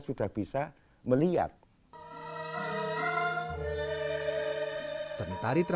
sudah bisa melihat